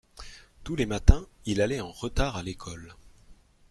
Tous les matins il allait en retard à l’école.